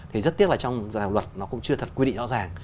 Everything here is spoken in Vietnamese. thì rất tiếc là trong dự thảo luật nó cũng chưa thật quy định rõ ràng